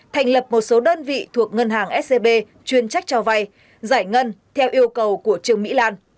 thành lập một số đơn vị thuộc ngân hàng scb chuyên trách cho vay giải ngân theo yêu cầu của trương mỹ lan